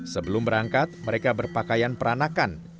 sebelum berangkat mereka berpakaian peranakan